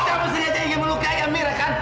kamu sengaja ingin melukai amira kan